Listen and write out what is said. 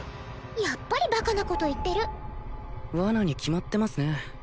やっぱりバカなこと言ってるワナに決まってますね